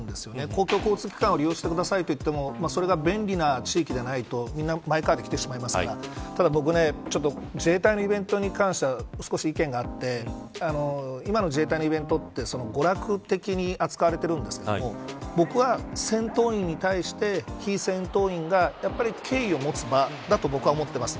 公共交通機関を利用してくださいと言ってもそれが便利な地域でないとみんなマイカーで来てしまいますからただ僕、自衛隊のイベントに関しては少し意見があって今の自衛隊のイベントって娯楽的に扱われてるんですけど僕は戦闘員に対して非戦闘員が敬意を持つ場だと思っています。